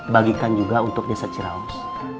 bagikan juga untuk desa ciraus